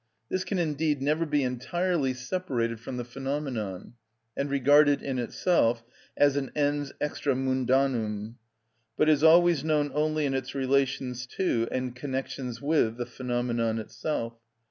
This can indeed never be entirely separated from the phenomenon and regarded in itself as an ens extramundanum, but is always known only in its relations to and connections with the phenomenon itself.